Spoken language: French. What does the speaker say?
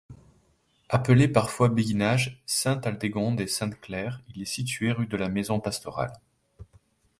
Appelé parfois béguinage Sainte-Aldegonde et Sainte-Claire, il est situé rue de la Maison pastorale.